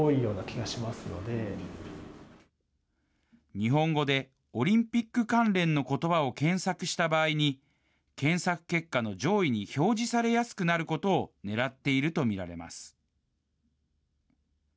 日本語でオリンピック関連のことばを検索した場合に、検索結果の上位に表示されやすくなることを狙っていると見られます。